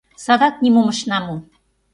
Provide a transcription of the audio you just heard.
Садак нимом ышна му.